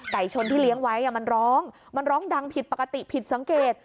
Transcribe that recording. ชนที่เลี้ยงไว้มันร้องมันร้องดังผิดปกติผิดสังเกต